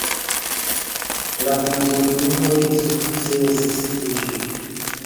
La prizonuloj sukcesis fuĝi.